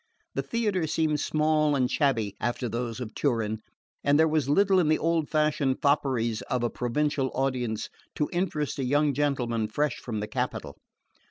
The theatre seemed small and shabby after those of Turin, and there was little in the old fashioned fopperies of a provincial audience to interest a young gentleman fresh from the capital.